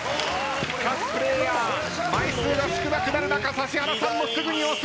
各プレイヤー枚数が少なくなる中指原さんもすぐに押す。